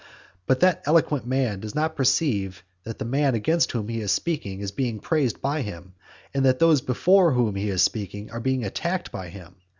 But that eloquent man does not perceive that the man against whom he is speaking is being praised by him, and that those before whom he is speaking are being attacked by him.